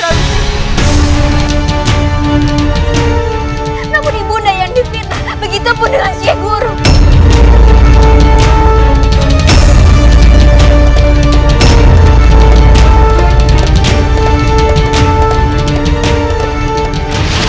namun ibu naya yang dipindah begitu pun dengan si guru